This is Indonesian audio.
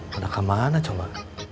padahal kemana coba